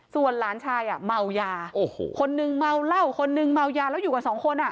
ส่วนหลานชายเมายาคนหนึ่งเมาเหล้าคนหนึ่งเมายาแล้วอยู่กับสองคน